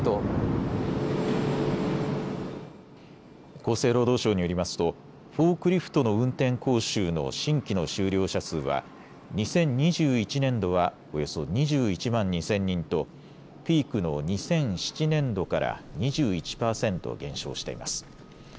厚生労働省によりますとフォークリフトの運転講習の新規の修了者数は２０２１年度はおよそ２１万２０００人とピークの２００７年度から２１％減少しています。